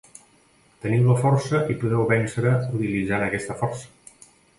Teniu la força i podeu vèncer utilitzant aquesta força.